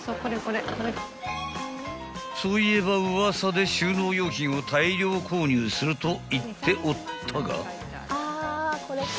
［そういえばウワサで収納用品を大量購入すると言っておったが］